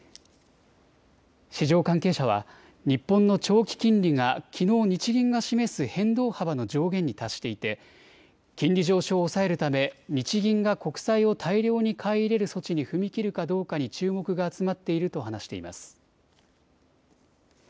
市場関係者は日本の長期金利がきのう日銀が示す変動幅の上限に達していて金利上昇を抑えるため日銀が国債を大量に買い入れる措置に踏み切るかどうかに注目が集まっていると話しています。